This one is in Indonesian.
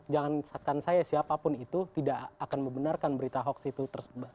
jangan saatkan saya siapapun itu tidak akan membenarkan berita hoax itu